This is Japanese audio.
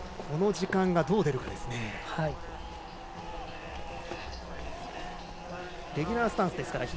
この時間が、どう出るか。